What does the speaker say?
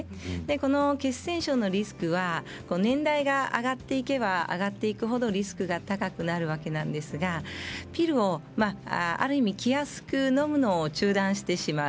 この血栓症のリスクは年代が上がっていけば上がっていくほどリスクが高くなるわけなんですがピルをある意味、気安くのむのを中断してしまう。